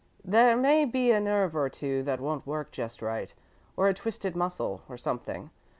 "There may be a nerve or two that won't work just right, or a twisted muscle, or something.